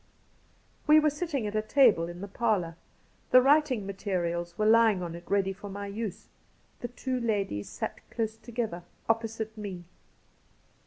We were sitting at a table in the parlour ; the writing materials were lying on it ready for my use. The two ladies sat close together opposite me.